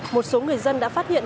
một số người dân đã phát hiện